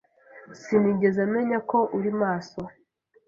Sinigeze menya ko uri maso.